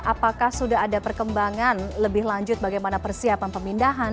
apakah sudah ada perkembangan lebih lanjut bagaimana persiapan pemindahan